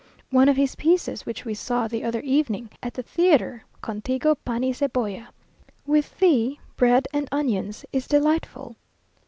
One of his pieces, which we saw the other evening at the theatre "Con tigo, pan y cebolla," (With thee, bread and onions,) is delightful.